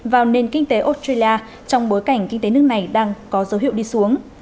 vào nền kinh tế australia trong bối cảnh kinh tế nước này đang có dấu hiệu đi xuống